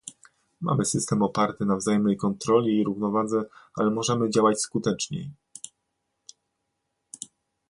Mamy system oparty na wzajemnej kontroli i równowadze, ale możemy działać skuteczniej